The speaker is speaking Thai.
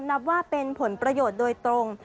นับว่าเป็นผลประโยชน์โดยตรง